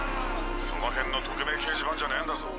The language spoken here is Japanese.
その辺の匿名掲示板じゃねぇんだぞ。